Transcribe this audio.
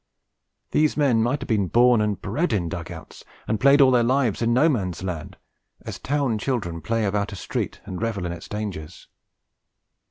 These men might have been born and bred in dug outs, and played all their lives in No Man's Land, as town children play about a street and revel in its dangers.